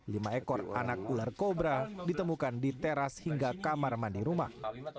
lima ekor anak ular kobra ditemukan di teras hingga kamar mandi rumah